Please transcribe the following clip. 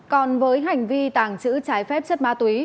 còn với hành vi tàng trữ trái phép chất ma túy